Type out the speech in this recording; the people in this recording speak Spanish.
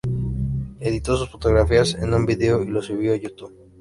Editó sus fotografías en un video y lo subió a YouTube.